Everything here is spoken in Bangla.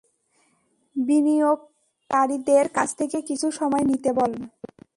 বিনিয়োগকারীদের কাছ থেকে কিছু সময় নিতে বল।